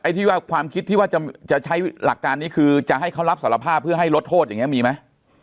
ที่ว่าความคิดที่ว่าจะใช้หลักการนี้คือจะให้เขารับสารภาพเพื่อให้ลดโทษอย่างนี้มีไหม